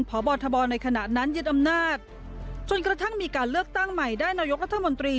พบทบในขณะนั้นยึดอำนาจจนกระทั่งมีการเลือกตั้งใหม่ได้นายกรัฐมนตรี